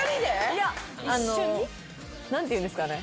いや何ていうんですかね。